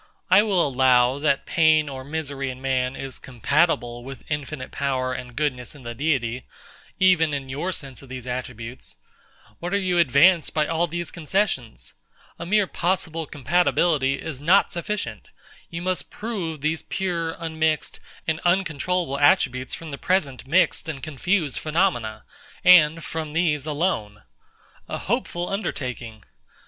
I will allow, that pain or misery in man is compatible with infinite power and goodness in the Deity, even in your sense of these attributes: What are you advanced by all these concessions? A mere possible compatibility is not sufficient. You must prove these pure, unmixed, and uncontrollable attributes from the present mixed and confused phenomena, and from these alone. A hopeful undertaking!